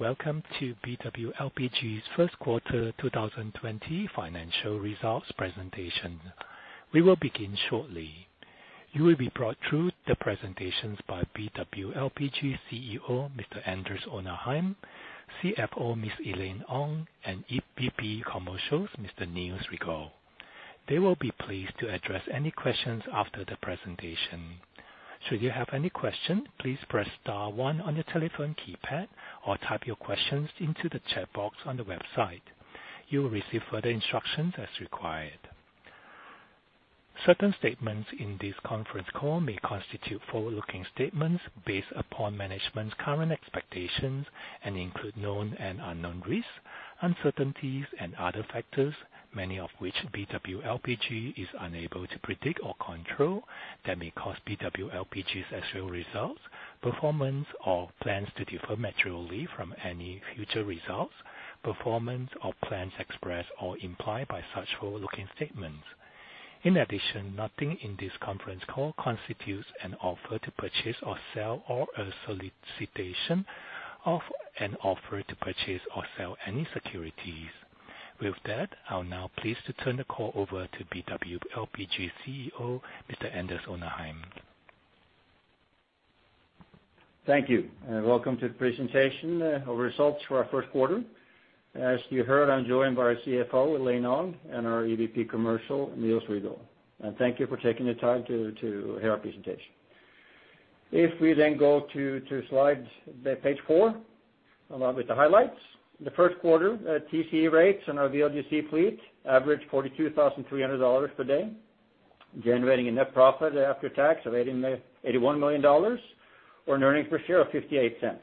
Welcome to BW LPG's Q1 2020 financial results presentation. We will begin shortly. You will be brought through the presentations by BW LPG CEO, Mr. Anders Onarheim, CFO, Miss Elaine Ong, and EVP Commercial, Mr. Niels Rigault. They will be pleased to address any questions after the presentation. Should you have any question, please press star one on your telephone keypad, or type your questions into the chat box on the website. You will receive further instructions as required. Certain statements in this conference call may constitute forward-looking statements based upon management's current expectations and include known and unknown risks, uncertainties, and other factors, many of which BW LPG is unable to predict or control, that may cause BW LPG's actual results, performance, or plans to differ materially from any future results, performance, or plans expressed or implied by such forward-looking statements. In addition, nothing in this conference call constitutes an offer to purchase or sell, or a solicitation of an offer to purchase or sell any securities. With that, I'm now pleased to turn the call over to BW LPG CEO, Mr. Anders Onarheim. Thank you, and welcome to the presentation of results for our Q1. As you heard, I'm joined by our CFO, Elaine Ong, and our EVP Commercial, Niels Rigault. Thank you for taking the time to hear our presentation. If we then go to slide page four, along with the highlights. In the Q1, TCE rates on our VLGC fleet averaged $42,300 per day, generating a net profit after tax of $81 million or an earnings per share of $0.58.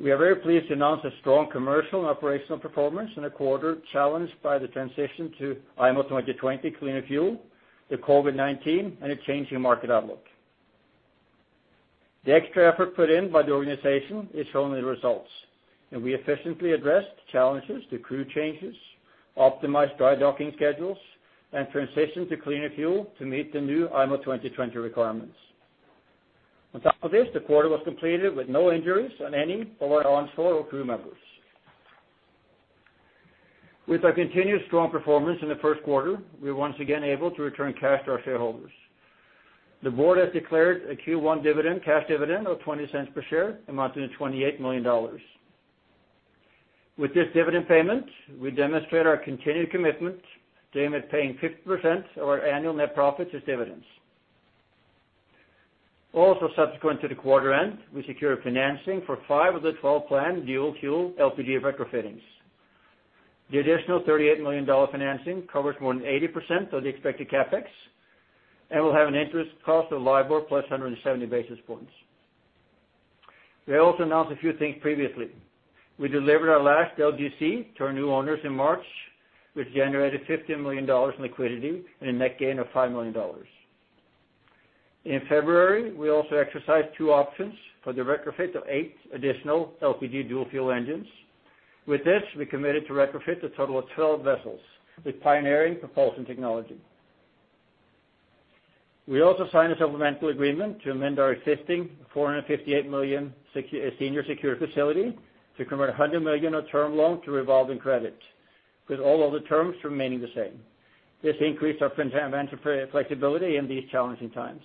We are very pleased to announce a strong commercial and operational performance in a quarter challenged by the transition to IMO 2020 cleaner fuel, the COVID-19, and a changing market outlook. The extra effort put in by the organization is showing the results, and we efficiently addressed challenges to crew changes, optimized dry docking schedules, and transition to cleaner fuel to meet the new IMO 2020 requirements. On top of this, the quarter was completed with no injuries on any of our onshore or crew members. With our continued strong performance in the Q1, we were once again able to return cash to our shareholders. The board has declared a Q1 dividend, cash dividend of $0.20 per share, amounting to $28 million. With this dividend payment, we demonstrate our continued commitment to aim at paying 50% of our annual net profits as dividends. Also, subsequent to the quarter end, we secured financing for five of the 12 planned dual-fuel LPG retrofittings. The additional $38 million financing covers more than 80% of the expected CapEx and will have an interest cost of LIBOR plus 170 basis points. We also announced a few things previously. We delivered our last LGC to our new owners in March, which generated $50 million in liquidity and a net gain of $5 million. In February, we also exercised two options for the retrofit of eight additional LPG dual fuel engines. With this, we committed to retrofit a total of 12 vessels with pioneering propulsion technology. We also signed a supplemental agreement to amend our existing $458 million senior secured facility to convert $100 million of term loan to revolving credit, with all other terms remaining the same. This increased our financial flexibility in these challenging times.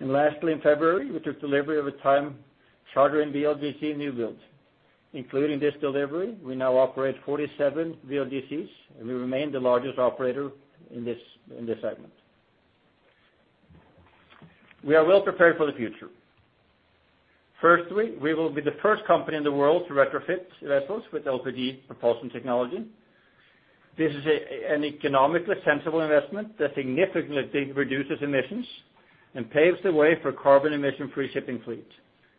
Lastly, in February, we took delivery of a time chartering VLGC newbuild. Including this delivery, we now operate 47 VLGCs, and we remain the largest operator in this segment. We are well prepared for the future. Firstly, we will be the first company in the world to retrofit vessels with LPG propulsion technology. This is an economically sensible investment that significantly reduces emissions and paves the way for carbon emission-free shipping fleet.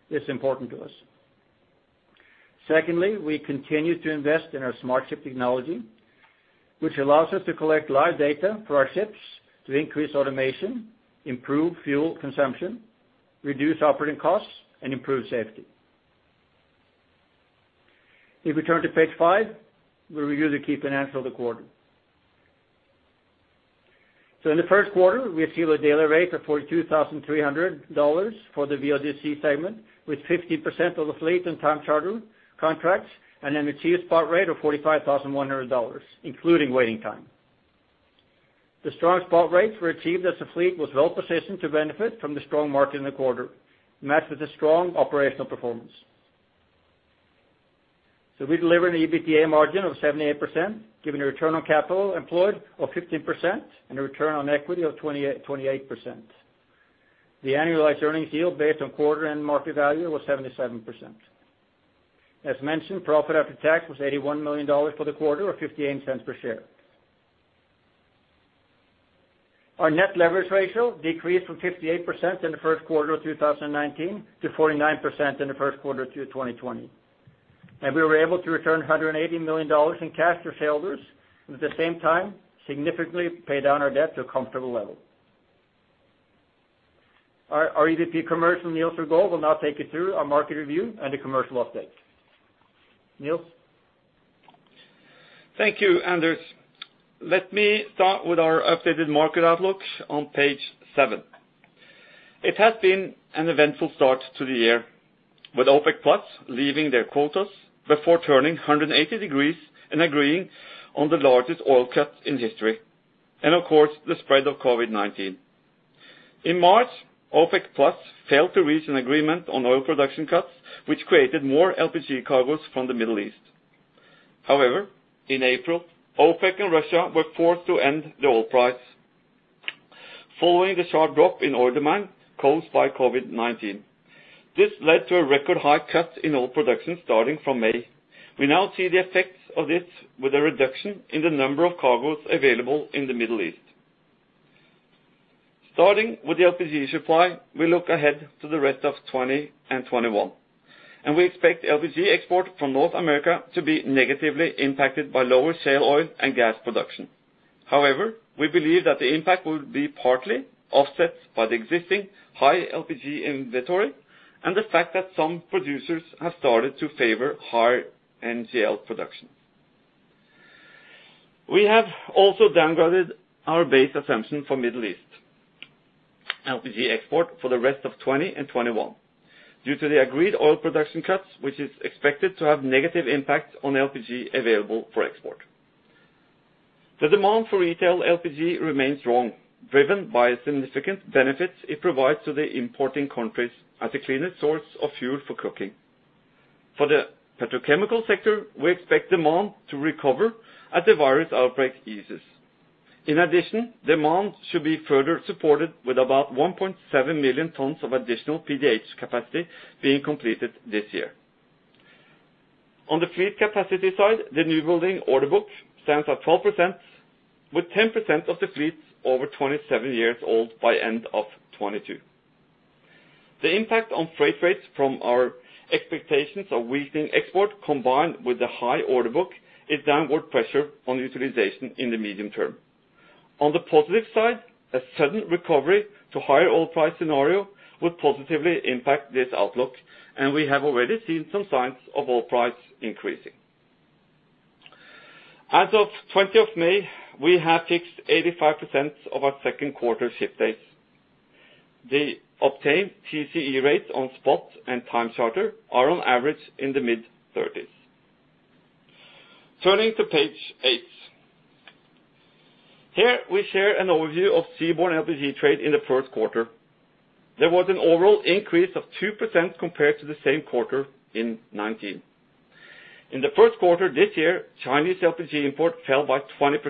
It's important to us. Secondly, we continue to invest in our Smart Ship technology, which allows us to collect live data for our ships to increase automation, improve fuel consumption, reduce operating costs, and improve safety. If we turn to page 5, we review the key financials of the quarter. In the Q1, we see a daily rate of $42,300 for the VLGC segment, with 50% of the fleet in time charter contracts and an achieved spot rate of $45,100, including waiting time. The strong spot rates were achieved as the fleet was well positioned to benefit from the strong market in the quarter, matched with a strong operational performance. We delivered an EBITDA margin of 78%, giving a return on capital employed of 15% and a return on equity of 28%. The annualized earnings yield based on quarter-end market value was 77%. As mentioned, profit after tax was $81 million for the quarter, or $0.58 per share. Our net leverage ratio decreased from 58% in the Q1 of two thousand and nineteen to 49% in the Q1 of 2020, and we were able to return $180 million in cash to shareholders, and at the same time, significantly pay down our debt to a comfortable level. Our EVP Commercial, Niels Rigault, will now take you through our market review and the commercial update. Niels? Thank you, Anders. Let me start with our updated market outlook on page seven. It has been an eventful start to the year, with OPEC+ leaving their quotas before turning 180 degrees and agreeing on the largest oil cut in history, and of course, the spread of COVID-19. In March, OPEC+ failed to reach an agreement on oil production cuts, which created more LPG cargoes from the Middle East. However, in April, OPEC and Russia were forced to end the price war, following the sharp drop in oil demand caused by COVID-19. This led to a record-high cut in oil production starting from May. We now see the effects of this with a reduction in the number of cargoes available in the Middle East. Starting with the LPG supply, we look ahead to the rest of 2020 and 2021, and we expect LPG export from North America to be negatively impacted by lower shale oil and gas production. However, we believe that the impact will be partly offset by the existing high LPG inventory and the fact that some producers have started to favor higher NGL production. We have also downgraded our base assumption for Middle East LPG export for the rest of 2020 and 2021 due to the agreed oil production cuts, which is expected to have negative impact on LPG available for export. The demand for retail LPG remains strong, driven by significant benefits it provides to the importing countries as the cleanest source of fuel for cooking. For the petrochemical sector, we expect demand to recover as the virus outbreak eases. In addition, demand should be further supported with about 1.7 million tons of additional PDH capacity being completed this year. On the fleet capacity side, the new building order book stands at 12%, with 10% of the fleet over 27 years old by end of 2022. The impact on freight rates from our expectations of weakening export, combined with the high order book, is downward pressure on utilization in the medium term. On the positive side, a sudden recovery to higher oil price scenario would positively impact this outlook, and we have already seen some signs of oil price increasing. As of May 20, we have fixed 85% of our Q2 ship days. The obtained TCE rate on spot and time charter are on average in the mid-thirties. Turning to page eight. Here, we share an overview of seaborne LPG trade in the Q1. There was an overall increase of 2% compared to the same quarter in 2019. In the Q1 this year, Chinese LPG import fell by 20%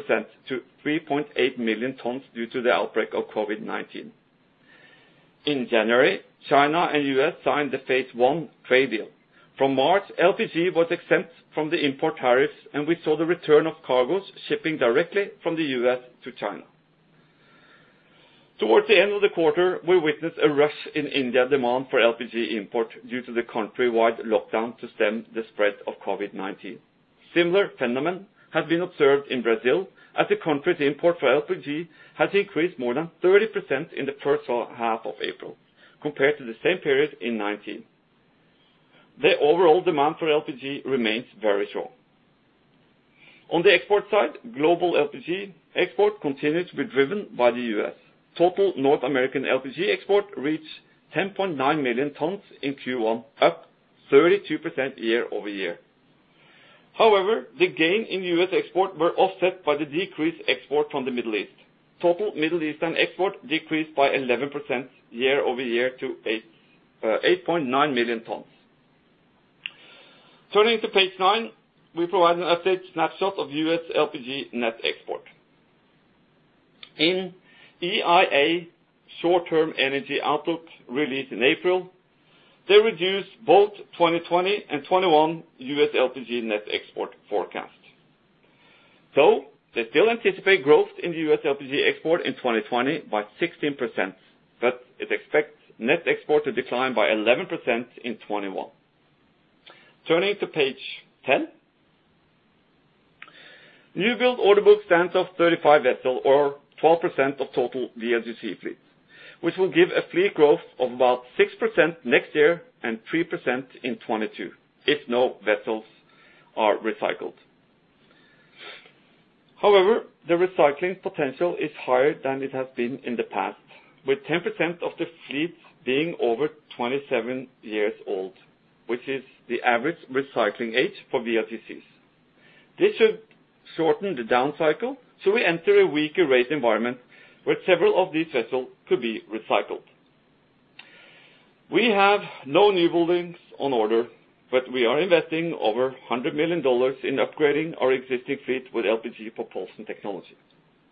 to 3.8 million tons due to the outbreak of COVID-19. In January, China and U.S. signed the phase I trade deal. From March, LPG was exempt from the import tariffs, and we saw the return of cargos shipping directly from the U.S. to China. Towards the end of the quarter, we witnessed a rush in India demand for LPG import due to the country-wide lockdown to stem the spread of COVID-19. Similar phenomenon has been observed in Brazil, as the country's import for LPG has increased more than 30% in the H1 of April compared to the same period in 2019. The overall demand for LPG remains very strong. On the export side, global LPG export continues to be driven by the U.S. Total North American LPG export reached 10.9 million tons in Q1, up 32% year-over-year. However, the gain in U.S. export were offset by the decreased export from the Middle East. Total Middle Eastern export decreased by 11% year-over-year to eight, eight point nine million tons. Turning to page nine, we provide an updated snapshot of U.S. LPG net export. In EIA Short-Term Energy Outlook released in April, they reduced both 2020 and 2021 U.S. LPG net export forecast. So they still anticipate growth in the U.S. LPG export in 2020 by 16%, but it expects net export to decline by 11% in 2021. Turning to page ten. New build order book stands at 35 vessels or 12% of total VLGC fleet, which will give a fleet growth of about 6% next year and 3% in 2022, if no vessels are recycled. However, the recycling potential is higher than it has been in the past, with 10% of the fleet being over 27 years old, which is the average recycling age for VLGCs. This should shorten the down cycle, so we enter a weaker rate environment where several of these vessels could be recycled. We have no new buildings on order, but we are investing over $100 million in upgrading our existing fleet with LPG propulsion technology.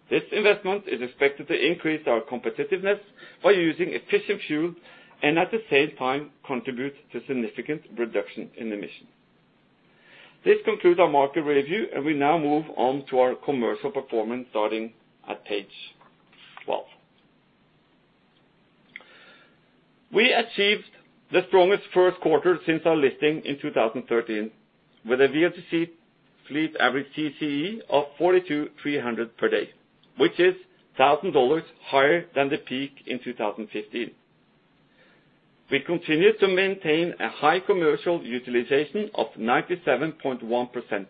This investment is expected to increase our competitiveness by using efficient fuel and at the same time, contribute to significant reduction in emissions. This concludes our market review, and we now move on to our commercial performance, starting at page 12. We achieved the strongest Q1 since our listing in two thousand and thirteen, with a VLGC fleet average TCE of $42,300 per day, which is $1,000 higher than the peak in two thousand and fifteen. We continue to maintain a high commercial utilization of 97.1%,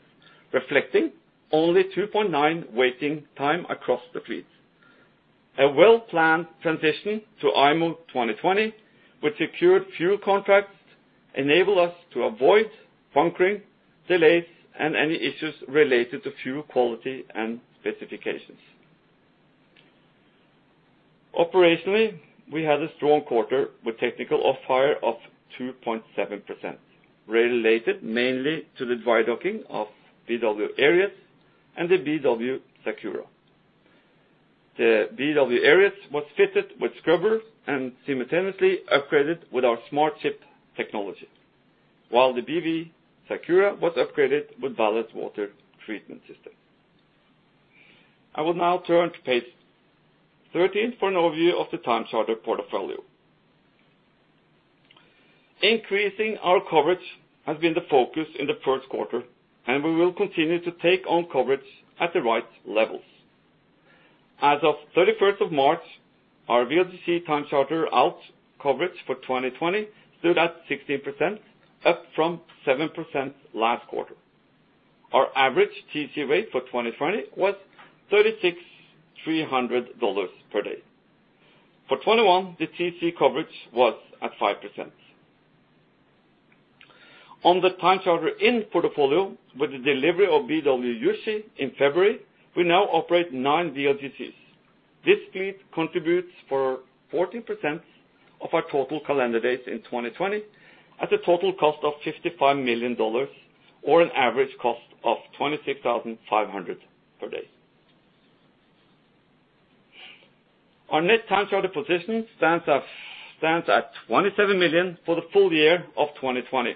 reflecting only 2.9 waiting time across the fleet. A well-planned transition to IMO 2020, with secured fuel contracts, enable us to avoid bunkering, delays, and any issues related to fuel quality and specifications. Operationally, we had a strong quarter with technical off hire of 2.7%, related mainly to the dry docking of BW Aries and the BW Sakura. The BW Aries was fitted with scrubber and simultaneously upgraded with our Smart Ship technology, while the BW Sakura was upgraded with ballast water treatment system. I will now turn to page 13 for an overview of the time charter portfolio. Increasing our coverage has been the focus in the Q1, and we will continue to take on coverage at the right levels. As of thirty-first of March, our VLGC time charter out coverage for 2020 stood at 16%, up from 7% last quarter. Our average TC rate for 2020 was $36,300 per day. For 2021, the TC coverage was at 5%. On the time charter in portfolio with the delivery of BW Yushi in February, we now operate nine VLGCs. This fleet contributes for 14% of our total calendar days in twenty twenty, at a total cost of $55 million or an average cost of 26,500 per day. Our net time charter position stands at $27 million for the full year of 2020,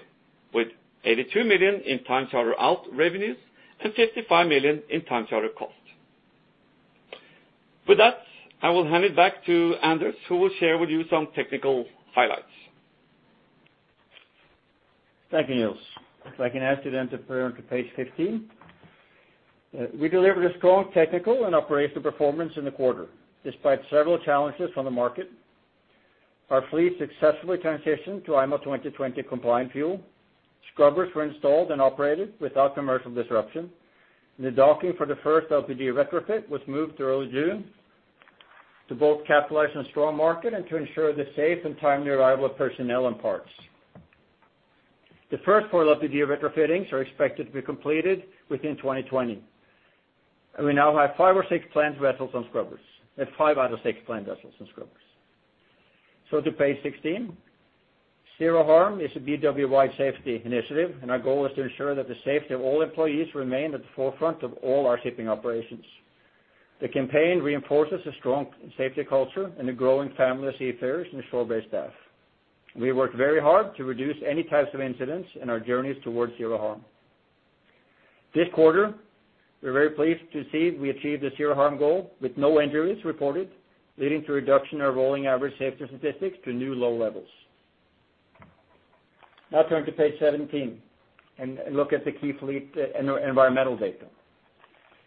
with $82 million in time charter out revenues and $55 million in time charter cost. With that, I will hand it back to Anders, who will share with you some technical highlights. Thank you, Niels. If I can ask you then to turn to page fifteen. We delivered a strong technical and operational performance in the quarter, despite several challenges from the market. Our fleet successfully transitioned to IMO 2020 compliant fuel. Scrubbers were installed and operated without commercial disruption. The docking for the first LPG retrofit was moved to early June, to both capitalize on a strong market and to ensure the safe and timely arrival of personnel and parts. The first four LPG retrofittings are expected to be completed within 2020, and we now have five or six planned vessels on scrubbers, at five out of six planned vessels on scrubbers. To page sixteen. Zero Harm is a BW-wide safety initiative, and our goal is to ensure that the safety of all employees remain at the forefront of all our shipping operations. The campaign reinforces a strong safety culture and a growing family of seafarers and shore-based staff. We work very hard to reduce any types of incidents in our journeys towards Zero Harm. This quarter, we're very pleased to see we achieved the Zero Harm goal with no injuries reported, leading to reduction in our rolling average safety statistics to new low levels. Now turn to page seventeen and look at the key fleet environmental data.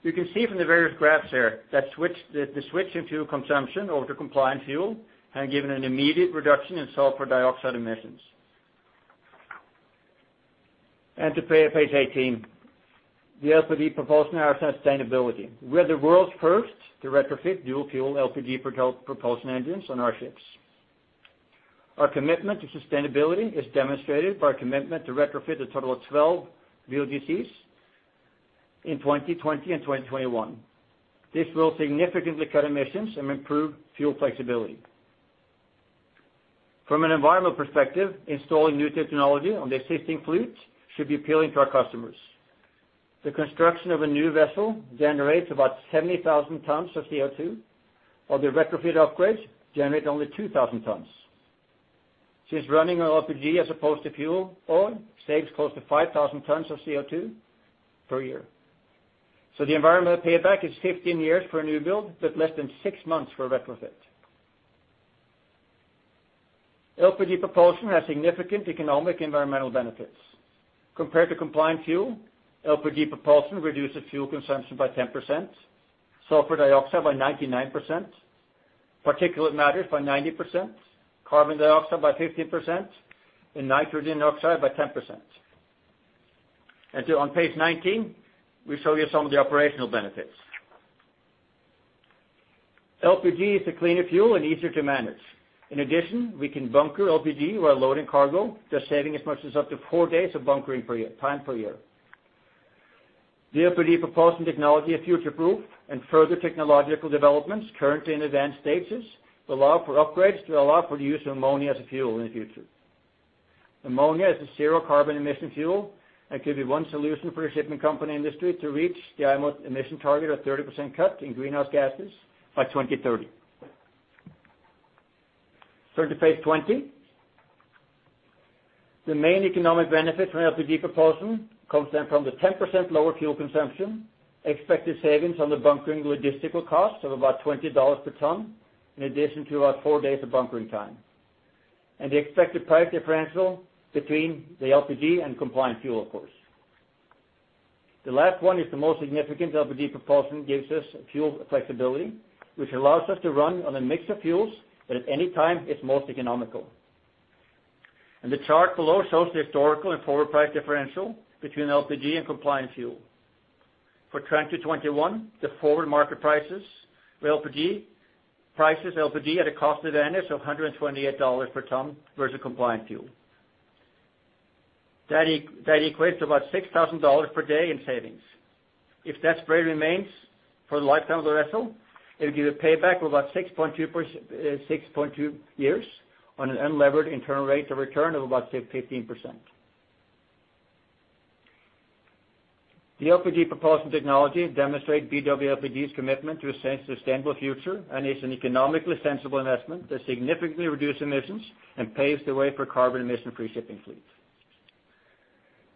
You can see from the various graphs there, that the switch in fuel consumption over to compliant fuel, have given an immediate reduction in sulfur dioxide emissions, and to page eighteen, the LPG propulsion and our sustainability. We're the world's first to retrofit dual fuel LPG propulsion engines on our ships. Our commitment to sustainability is demonstrated by our commitment to retrofit a total of 12 VLGCs in 2020 and 2021. This will significantly cut emissions and improve fuel flexibility. From an environmental perspective, installing new technology on the existing fleet should be appealing to our customers. The construction of a new vessel generates about 70,000 tons of CO2, while the retrofit upgrades generate only 2,000 tons. Since running on LPG, as opposed to fuel oil, saves close to 5,000 tons of CO2 per year, so the environmental payback is 15 years for a new build, but less than six months for a retrofit. LPG propulsion has significant economic environmental benefits. Compared to compliant fuel, LPG propulsion reduces fuel consumption by 10%, sulfur dioxide by 99%, particulate matters by 90%, carbon dioxide by 15%, and nitrogen oxide by 10%. Turning to page 19, we show you some of the operational benefits. LPG is a cleaner fuel and easier to manage. In addition, we can bunker LPG while loading cargo, thus saving as much as up to four days of bunkering time per year. The LPG propulsion technology is future-proof, and further technological developments currently in advanced stages will allow for upgrades for the use of ammonia as a fuel in the future. Ammonia is a zero carbon emission fuel and could be one solution for the shipping industry to reach the IMO emission target of 30% cut in greenhouse gases by 2030. Turn to page 20. The main economic benefit from LPG propulsion comes down from the 10% lower fuel consumption, expected savings on the bunkering logistical cost of about $20 per ton, in addition to about 4 days of bunkering time, and the expected price differential between the LPG and compliant fuel, of course. The last one is the most significant. LPG propulsion gives us fuel flexibility, which allows us to run on a mix of fuels that at any time is most economical. The chart below shows the historical and forward price differential between LPG and compliant fuel. For 2021, the forward market prices for LPG, prices LPG at a cost advantage of $128 per ton versus compliant fuel. That equates to about $6,000 per day in savings. If that spread remains for the lifetime of the vessel, it'll give a payback of about 6.2%, 6.2 years on an unlevered internal rate of return of about, say, 15%. The LPG propulsion technology demonstrate BW LPG's commitment to a sustainable future, and is an economically sensible investment that significantly reduce emissions and paves the way for carbon emission-free shipping fleet.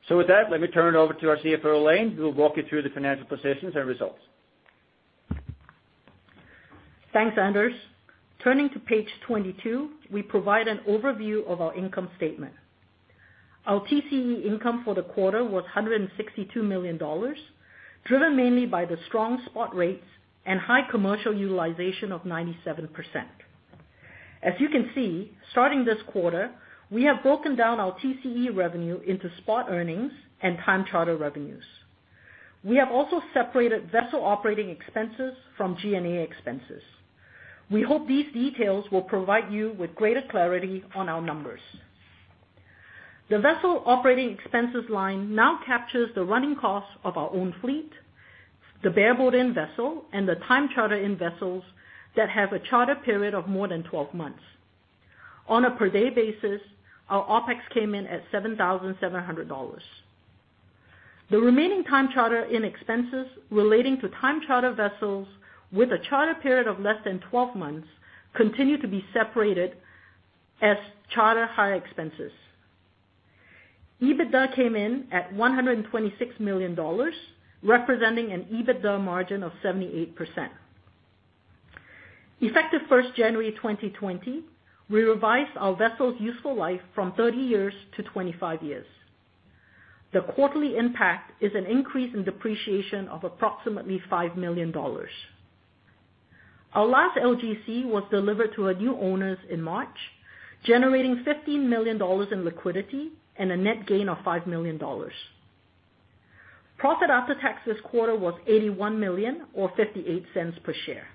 So with that, let me turn it over to our CFO, Elaine, who will walk you through the financial positions and results. Thanks, Anders. Turning to page 22, we provide an overview of our income statement. Our TCE income for the quarter was $162 million, driven mainly by the strong spot rates and high commercial utilization of 97%. As you can see, starting this quarter, we have broken down our TCE revenue into spot earnings and time charter revenues. We have also separated vessel operating expenses from G&A expenses. We hope these details will provide you with greater clarity on our numbers. The vessel operating expenses line now captures the running costs of our own fleet, the bareboat vessel, and the time charter-in vessels that have a charter period of more than twelve months. On a per day basis, our OpEx came in at $7,700. The remaining time charter in expenses relating to time charter vessels with a charter period of less than 12 months continue to be separated as charter hire expenses. EBITDA came in at $126 million, representing an EBITDA margin of 78%. Effective first January 2020, we revised our vessels' useful life from 30 years to 25 years. The quarterly impact is an increase in depreciation of approximately $5 million. Our last LGC was delivered to our new owners in March, generating $15 million in liquidity and a net gain of $5 million. Profit after tax this quarter was $81 million or $0.58 per share.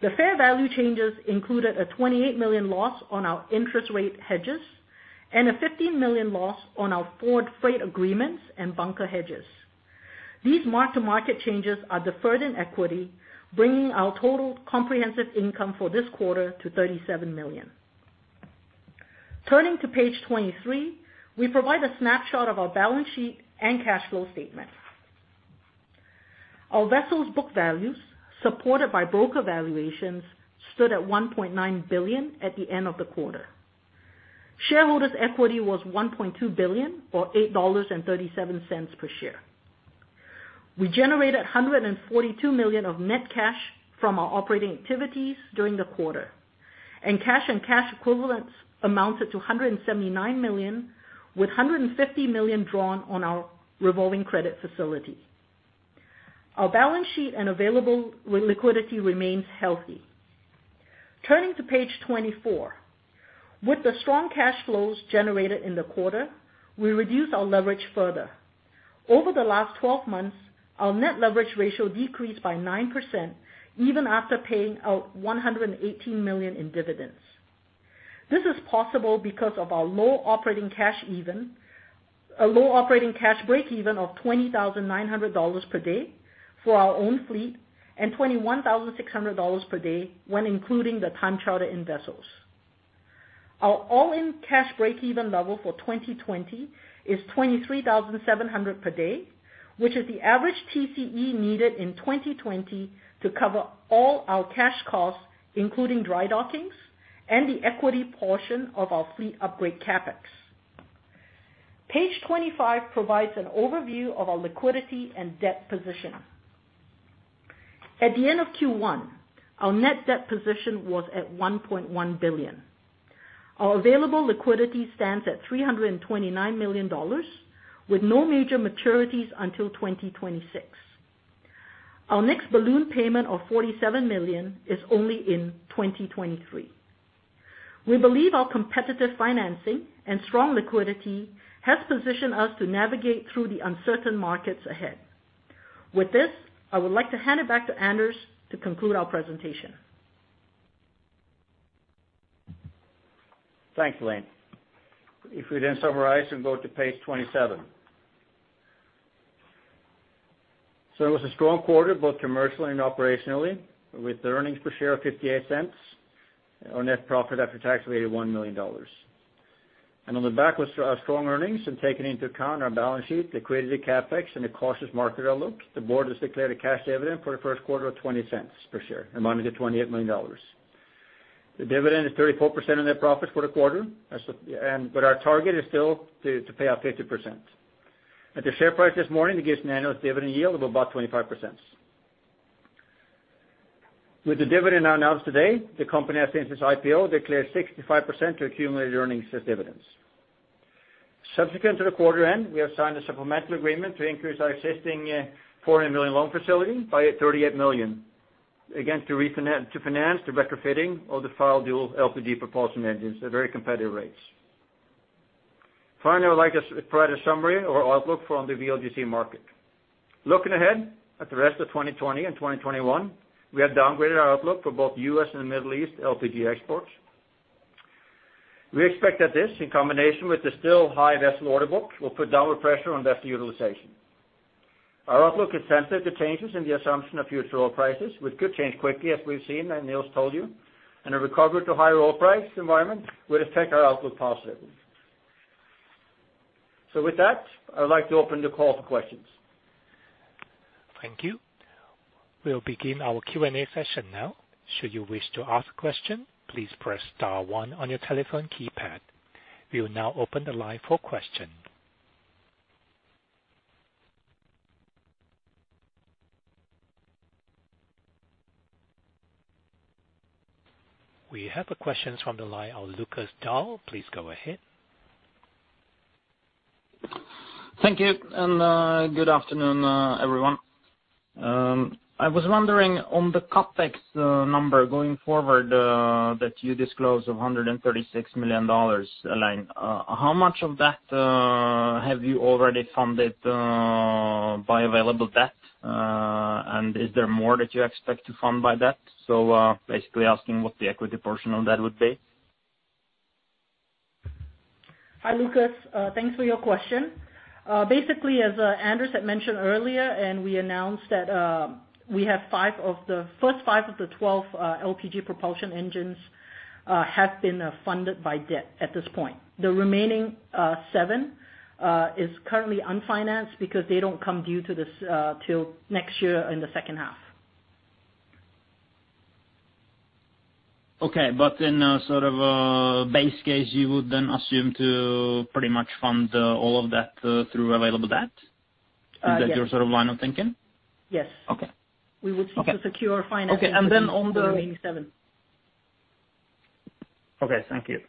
The fair value changes included a $28 million loss on our interest rate hedges, and a $15 million loss on our forward freight agreements and bunker hedges. These mark-to-market changes are deferred in equity, bringing our total comprehensive income for this quarter to $37 million. Turning to page 23, we provide a snapshot of our balance sheet and cash flow statement. Our vessels' book values, supported by broker valuations, stood at $1.9 billion at the end of the quarter. Shareholders' equity was $1.2 billion, or $8.37 per share. We generated $142 million of net cash from our operating activities during the quarter, and cash and cash equivalents amounted to $179 million, with $150 million drawn on our revolving credit facility. Our balance sheet and available liquidity remains healthy. Turning to page 24. With the strong cash flows generated in the quarter, we reduced our leverage further. Over the last twelve months, our net leverage ratio decreased by 9%, even after paying out $118 million in dividends. This is possible because of our low operating cash breakeven of $20,900 per day for our own fleet, and $21,600 per day when including the time charter in vessels. Our all-in cash breakeven level for 2020 is $23,700 per day, which is the average TCE needed in 2020 to cover all our cash costs, including dry dockings and the equity portion of our fleet upgrade CapEx. Page twenty-five provides an overview of our liquidity and debt position. At the end of Q1, our net debt position was at $1.1 billion. Our available liquidity stands at $329 million, with no major maturities until 2026. Our next balloon payment of $47 million is only in 2023. We believe our competitive financing and strong liquidity has positioned us to navigate through the uncertain markets ahead. With this, I would like to hand it back to Anders to conclude our presentation. Thanks, Elaine. If we then summarize and go to page 27. So it was a strong quarter, both commercially and operationally, with the earnings per share of $0.58. Our net profit after tax was $81 million. And on the back of our strong earnings and taking into account our balance sheet, the credited CapEx and the cautious market outlook, the board has declared a cash dividend for the Q2 of $0.20 per share, amounting to $28 million. The dividend is 34% of net profits for the quarter, but our target is still to pay out 50%. At the share price this morning, it gives an annual dividend yield of about 25%.... With the dividend now announced today, the company has, since its IPO, declared 65% to accumulated earnings as dividends. Subsequent to the quarter end, we have signed a supplemental agreement to increase our existing foreign currency loan facility by $38 million, again, to finance the retrofitting of the five dual-fuel LPG propulsion engines at very competitive rates. Finally, I would like to provide a summary or outlook for the VLGC market. Looking ahead at the rest of 2020 and 2021, we have downgraded our outlook for both U.S. and Middle East LPG exports. We expect that this, in combination with the still high vessel order book, will put downward pressure on vessel utilization. Our outlook is sensitive to changes in the assumption of future oil prices, which could change quickly, as we've seen and Niels told you, and a recovery to higher oil price environment would affect our outlook positively. With that, I would like to open the call for questions. Thank you. We'll begin our Q&A session now. Should you wish to ask a question, please press star one on your telephone keypad. We will now open the line for questions. We have a question from the line of Lukas Daul. Please go ahead. Thank you and good afternoon, everyone. I was wondering on the CapEx number going forward that you disclosed of $136 million line, how much of that have you already funded by available debt? And is there more that you expect to fund by debt, so basically asking what the equity portion of that would be. Hi, Lucas, thanks for your question. Basically, as Anders had mentioned earlier, and we announced that, we have five of the first five of the twelve LPG propulsion engines have been funded by debt at this point. The remaining seven is currently unfinanced, because they don't come due to this till next year in the H2. Okay, but in a sort of a base case, you would then assume to pretty much fund all of that through available debt? Uh, yes. Is that your sort of line of thinking? Yes. Okay. We would- Okay Seek to secure financing. Okay, and then on the- For the remaining seven. Okay, thank you.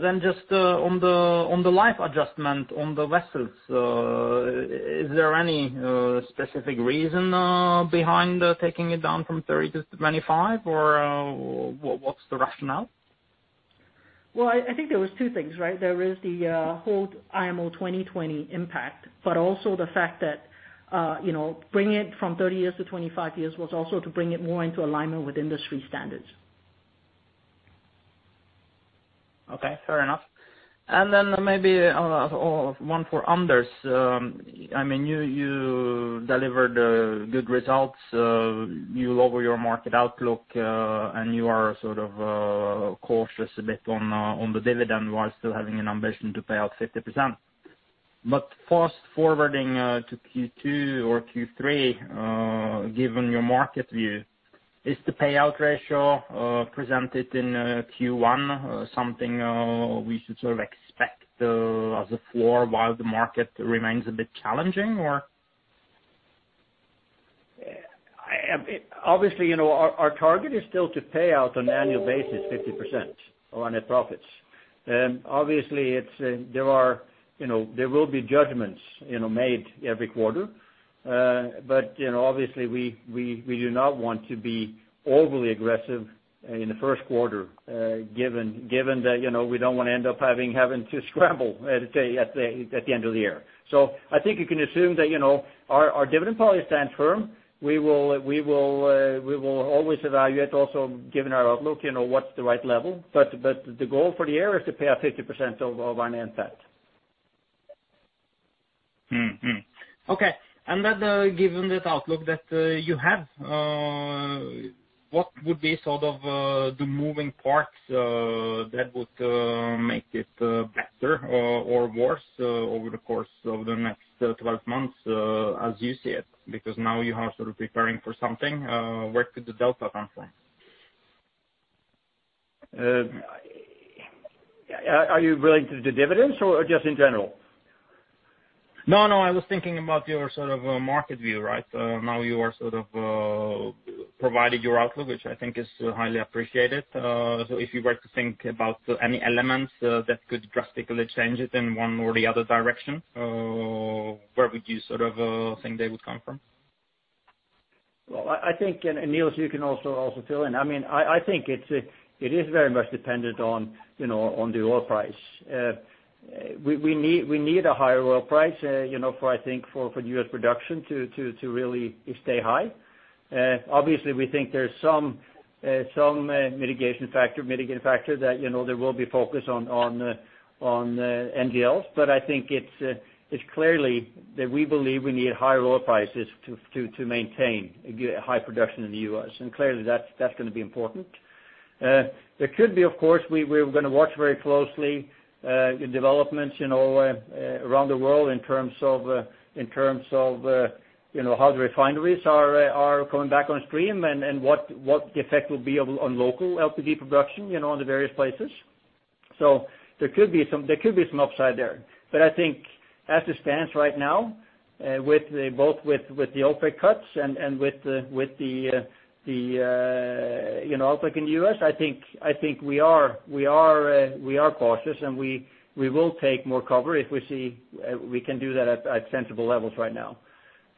Then just on the life adjustment on the vessels, is there any specific reason behind taking it down from thirty to twenty-five, or what's the rationale? I think there was two things, right? There is the whole IMO 2020 impact, but also the fact that, you know, bringing it from 30 years to 25 years was also to bring it more into alignment with industry standards. Okay, fair enough. And then maybe one for Anders. I mean, you delivered good results, you lower your market outlook, and you are sort of cautious a bit on the dividend, while still having an ambition to pay out 50%. But fast forwarding to Q2 or Q3, given your market view, is the payout ratio presented in Q1 something we should sort of expect as a floor while the market remains a bit challenging, or? Obviously, you know, our target is still to pay out on an annual basis, 50% on our net profits. Obviously, it's there are, you know, there will be judgments, you know, made every quarter. But, you know, obviously, we do not want to be overly aggressive in the Q1, given that, you know, we don't want to end up having to scramble to say at the end of the year. So I think you can assume that, you know, our dividend policy stands firm. We will always evaluate, also, given our outlook, you know, what's the right level. But the goal for the year is to pay out 50% of our net debt. Mm-hmm. Okay, and then, given this outlook that you have, what would be sort of the moving parts that would make it better or worse over the course of the next twelve months, as you see it? Because now you are sort of preparing for something, where could the delta come from? Are you related to the dividends or just in general? No, no, I was thinking about your sort of, market view, right? Now you are sort of, provided your outlook, which I think is highly appreciated. So if you were to think about any elements, that could drastically change it in one or the other direction, where would you sort of, think they would come from? I think, and Niels, you can also fill in. I mean, I think it's very much dependent on, you know, on the oil price. We need a higher oil price, you know, for, I think, for US production to really stay high. Obviously, we think there's some mitigating factor that, you know, there will be focus on NGLs. But I think it's clearly that we believe we need higher oil prices to maintain high production in the US, and clearly, that's going to be important. There could be, of course, we're going to watch very closely developments, you know, around the world in terms of, in terms of, you know, how the refineries are coming back on stream and what the effect will be on local LPG production, you know, on the various places. So there could be some upside there. But I think as it stands right now, with both the OPEC cuts and with the OPEC in the US, you know, I think we are cautious, and we will take more cover if we see we can do that at sensible levels right now.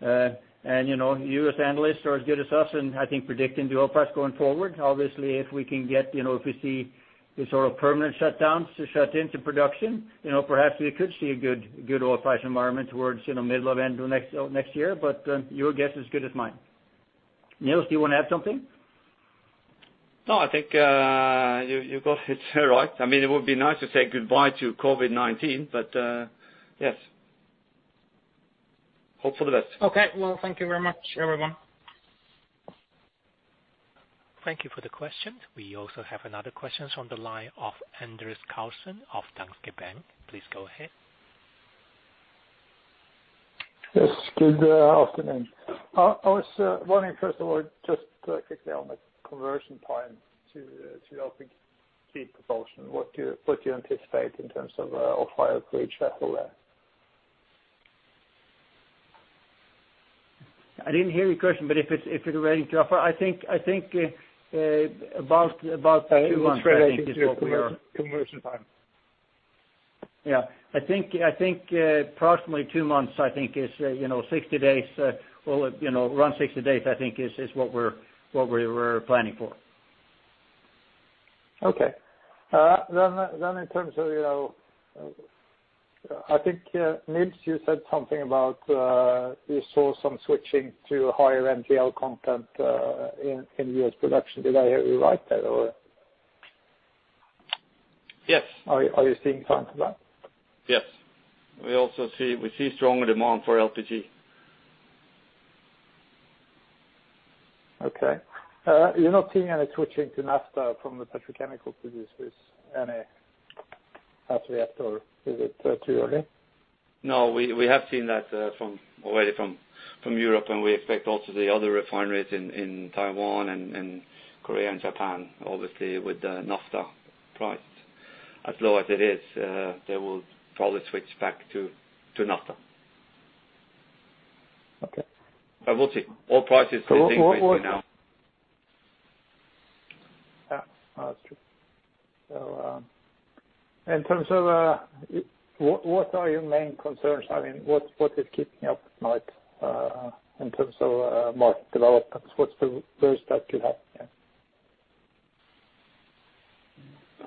You know, you as analysts are as good as us in, I think, predicting the oil price going forward. Obviously, if we can get, you know, if we see the sort of permanent shutdowns to shut in to production, you know, perhaps we could see a good oil price environment towards, you know, middle of end of next year, but your guess is as good as mine. Niels, do you want to add something? No, I think you got it right. I mean, it would be nice to say goodbye to COVID-19, but yes. Hope for the best. Okay, well, thank you very much, everyone. Thank you for the question. We also have another question from the line of Anders Karlsen of Danske Bank. Please go ahead. Yes, good afternoon. I was wondering, first of all, just quickly on the conversion time to dual-fuel LPG propulsion, what do you anticipate in terms of higher age vessel there? I didn't hear your question, but if it's relating to off-hire, I think about two months, I think, is what we are- Conversion time. Yeah. I think approximately two months, I think, is, you know, 60 days, or, you know, around 60 days, I think, is what we're planning for. Okay. Then in terms of, you know, I think, Niels, you said something about, you saw some switching to higher NGL content in U.S. production. Did I hear you right there, or? Yes. Are you seeing signs of that? Yes. We also see stronger demand for LPG. Okay. You're not seeing any switching to naphtha from the petrochemical producers, any as yet, or is it too early? No, we have seen that already from Europe, and we expect also the other refineries in Taiwan and Korea and Japan, obviously, with the naphtha price as low as it is, they will probably switch back to naphtha. Okay. But we'll see. Oil price is changing now. Yeah. That's true, so in terms of what are your main concerns? I mean, what is keeping you up at night in terms of market developments? What's the worst that could happen?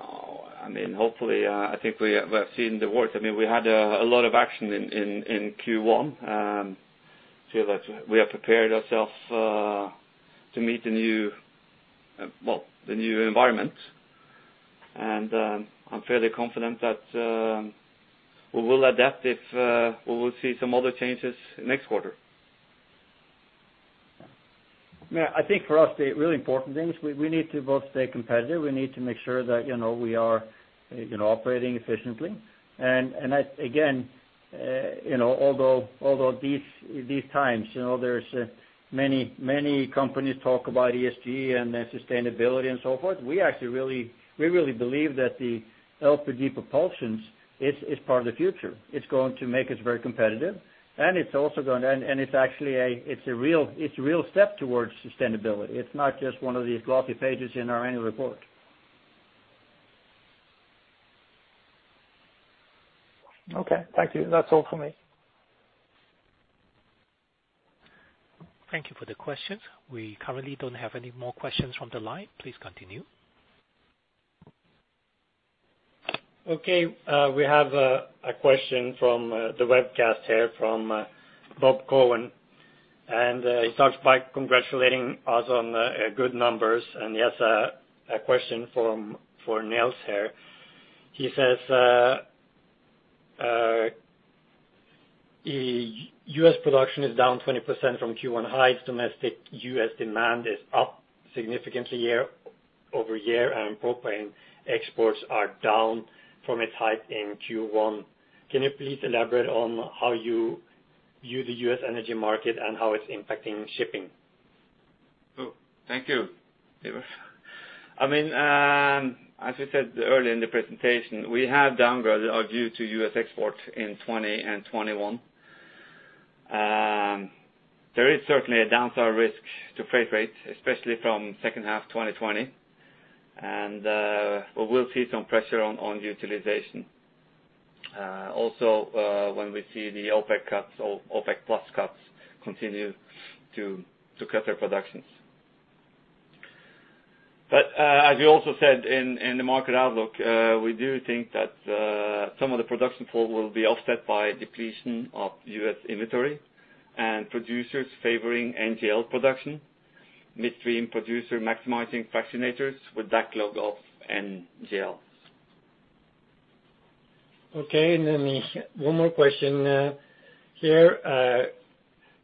Oh, I mean, hopefully, I think we have seen the worst. I mean, we had a lot of action in Q1. I feel that we have prepared ourselves to meet the new, well, the new environment, and I'm fairly confident that we will adapt if we will see some other changes next quarter. Yeah. I think for us, the really important thing is we need to both stay competitive. We need to make sure that, you know, we are, you know, operating efficiently. And again, although these times, you know, there's many companies talk about ESG and sustainability and so forth, we actually really believe that the LPG propulsion is part of the future. It's going to make us very competitive, and it's also going to. And it's actually a real step towards sustainability. It's not just one of these glossy pages in our annual report. Okay. Thank you. That's all for me. Thank you for the question. We currently don't have any more questions from the line. Please continue. Okay, we have a question from the webcast here from Bob Cohen. He starts by congratulating us on good numbers, and he has a question for Niels here. He says, "The U.S. production is down 20% from Q1 highs. Domestic U.S. demand is up significantly year-over-year, and propane exports are down from its high in Q1. Can you please elaborate on how you view the U.S. energy market and how it's impacting shipping? Oh, thank you. I mean, as I said earlier in the presentation, we have downgraded our view to U.S. export in 2020 and 2021. There is certainly a downside risk to freight rates, especially from H2 2020, and but we'll see some pressure on utilization. Also, when we see the OPEC cuts or OPEC+ cuts continue to cut their productions. But, as you also said in the market outlook, we do think that some of the production fall will be offset by depletion of U.S. inventory and producers favoring NGL production, midstream producer maximizing fractionators with backlog of NGLs. Okay, and then one more question, here.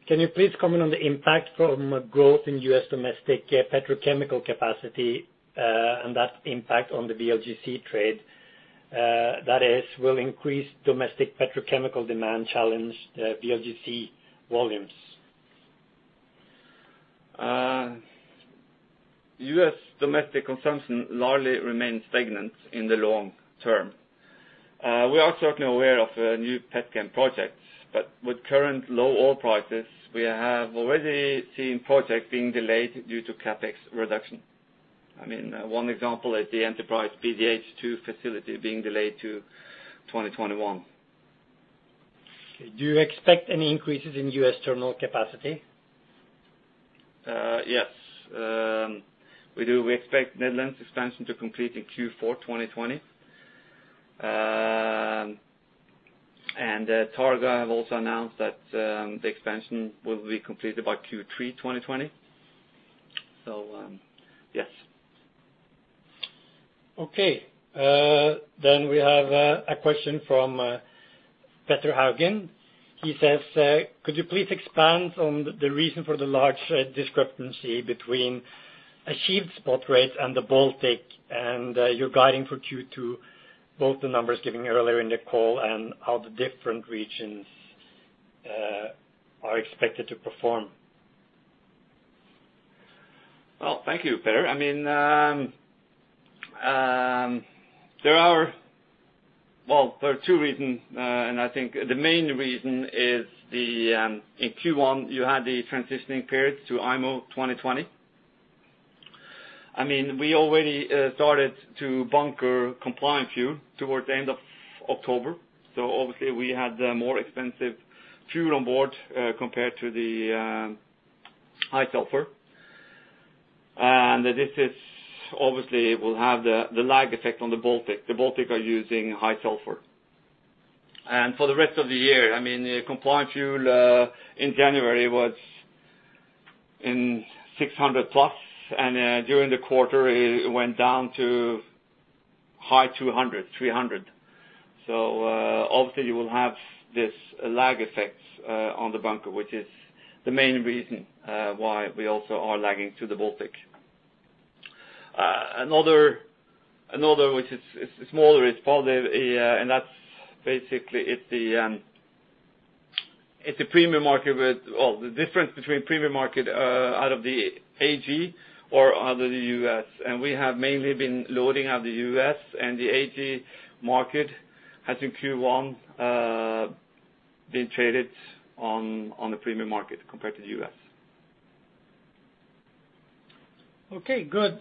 Can you please comment on the impact from growth in U.S. domestic petrochemical capacity, and that impact on the VLGC trade? That is, will increased domestic petrochemical demand challenge the VLGC volumes? U.S. domestic consumption largely remains stagnant in the long term. We are certainly aware of new pet chem projects, but with current low oil prices, we have already seen projects being delayed due to CapEx reduction. I mean, one example is the Enterprise PDH facility being delayed to twenty twenty-one. Do you expect any increases in U.S. terminal capacity? Yes. We do. We expect Midland's expansion to complete in Q4 2020, and Targa have also announced that the expansion will be completed by Q3 2020. Yes. Okay. Then we have a question from Petter Haugen. He says, "Could you please expand on the reason for the large discrepancy between achieved spot rates and the Baltic, and your guiding for Q2, both the numbers given earlier in the call and how the different regions are expected to perform? Thank you, Petter. I mean, there are-- There are two reasons, and I think the main reason is the, in Q1, you had the transitioning period to IMO 2020. I mean, we already started to bunker compliant fuel towards the end of October, so obviously, we had a more expensive fuel on board, compared to the, high sulfur. And this is obviously will have the lag effect on the Baltic. The Baltic are using high sulfur. And for the rest of the year, I mean, the compliant fuel, in January was in six hundred plus, and, during the quarter, it went down to high two hundred, three hundred. So, obviously, you will have this lag effect, on the bunker, which is the main reason, why we also are lagging to the Baltic. Another, which is smaller, is positive, and that's basically, it's the premium market with, well, the difference between premium market out of the AG or out of the US, and we have mainly been loading out of the US, and the AG market has, in Q1, been traded on the premium market compared to the US. Okay, good.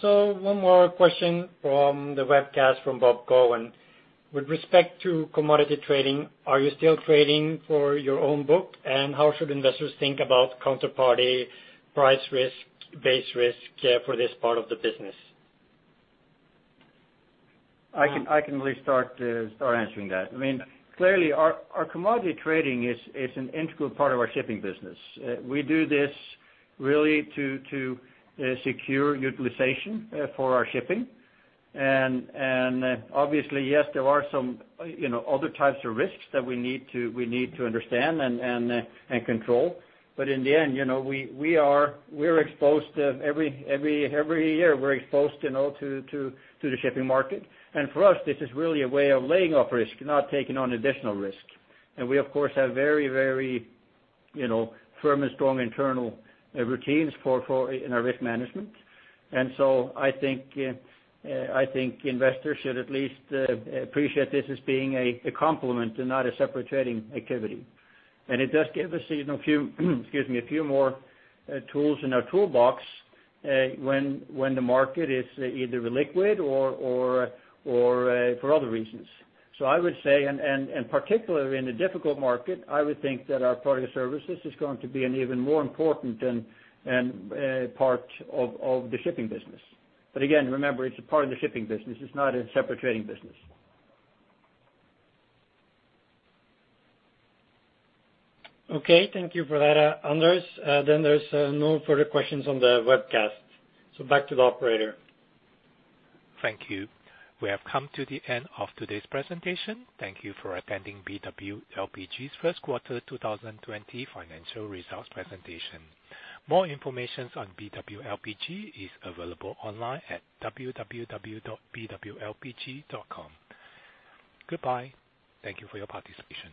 So one more question from the webcast, from Bob Cohen: With respect to commodity trading, are you still trading for your own book? And how should investors think about counterparty price risk, base risk, for this part of the business? I can really start answering that. I mean, clearly, our commodity trading is an integral part of our shipping business. We do this really to secure utilization for our shipping. And obviously, yes, there are some, you know, other types of risks that we need to understand and control. But in the end, you know, we are exposed every year, you know, to the shipping market. And for us, this is really a way of laying off risk, not taking on additional risk. And we, of course, have very firm and strong internal routines for our risk management. And so I think investors should at least appreciate this as being a complement and not a separate trading activity. And it does give us, you know, a few more tools in our toolbox when the market is either illiquid or for other reasons. So I would say, and particularly in a difficult market, I would think that our Product Services is going to be an even more important and part of the shipping business. But again, remember, it's a part of the shipping business. It's not a separate trading business. Okay. Thank you for that, Anders. Then there's no further questions on the webcast, so back to the operator. Thank you. We have come to the end of today's presentation. Thank you for attending BW LPG's Q2 2020 financial results presentation. More information on BW LPG is available online at www.bwlpg.com. Goodbye. Thank you for your participation.